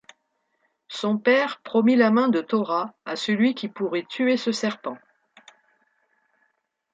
Son père promit la main de Thora à celui qui pourrait tuer ce serpent.